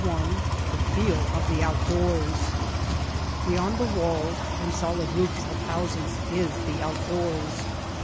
.. 166 The Feel of the Outdoors BEYOND the walls and solid roofs of houses is the outdoors.